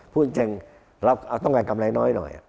พูดจริงเราต้องการกำไรน้อยหน่อย